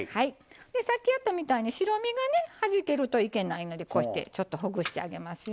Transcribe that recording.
さっきやったみたいに白身がねはじけるといけないのでこうしてちょっとほぐしてあげますよ。